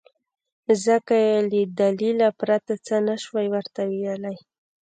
ځکه يې له دليله پرته څه نه شوای ورته ويلی.